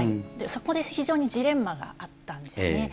そこで非常にジレンマがあったんですね。